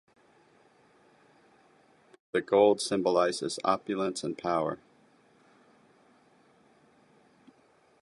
The gold symbolizes opulence and power.